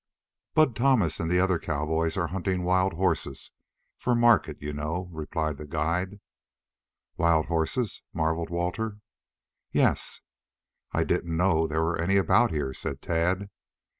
"Bud Thomas and the other cowboys are hunting wild horses for market, you know?" replied the guide. "Wild horses?" marveled Walter. "Yes." "I didn't know there were any about here," said Tad.